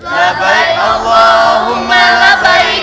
la baik allahumma la baik